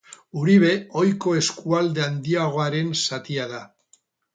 Uribe ohiko eskualde handiagoaren zatia da.